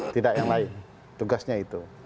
tidak yang lain tugasnya itu